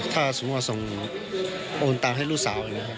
ถ้าสมมัลส่งโอนตำกับลูกสาวอย่างนี้